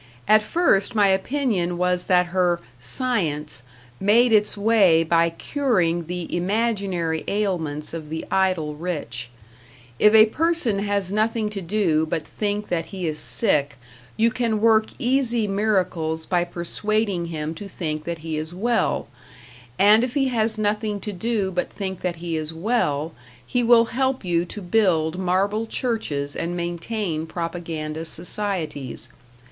At first my opinion was that her "Science" made its way by curing the imaginary ailments of the idle rich. If a person has nothing to do but think that he is sick, you can work easy miracles by persuading him to think that he is well; and if he has nothing to do but think that he is well, he will help you to build marble churches and maintain propaganda societies.